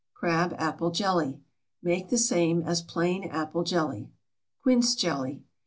CRAB APPLE JELLY. Make the same as plain apple jelly. QUINCE JELLY.